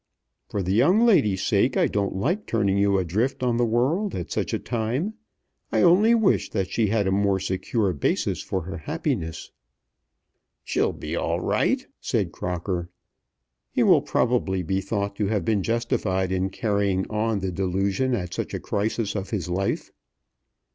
"For the young lady's sake, I don't like turning you adrift on the world at such a time. I only wish that she had a more secure basis for her happiness." "She'll be all right," said Crocker. He will probably be thought to have been justified in carrying on the delusion at such a crisis of his life.